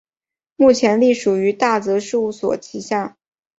目前隶属于大泽事务所旗下。